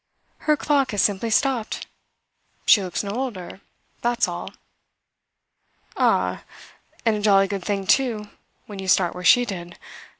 Her clock has simply stopped. She looks no older that's all." "Ah, and a jolly good thing too, when you start where she did.